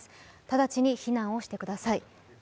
直ちに避難をしてください。